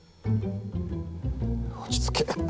落ち着けっ！